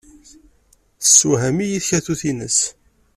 Tessewham-iyi tkatut-nnes.